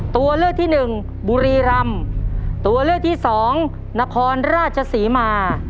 ตัวเลือกที่หนึ่งบุรีรำตัวเลือกที่สองนครราชศรีมา